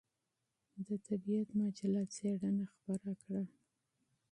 د طبعیت مجله څېړنه خپره کړه.